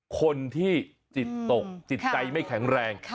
คนที่จิตตกจิตใจไม่แข็งแรง